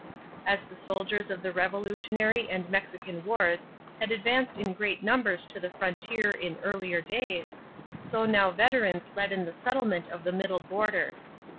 As the soldiers of the Revolutionary and Mexican wars had advanced in great numbers to the frontier in earlier days, so now veterans led in the settlement of the middle border.